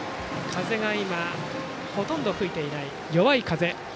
風が今、ほとんど吹いていない弱い風。